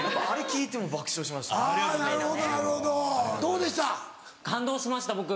あれ聞いてもう爆笑しました。